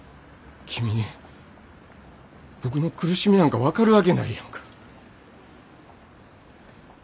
君に僕の苦しみなんか分かるわけないやんか。